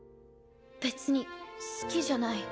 別に好きじゃない。